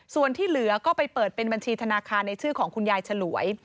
ส่วนที่เหลือก็ไปเปิดเป็นบัญชีธนาคารในชื่อของคุณยายฉลวย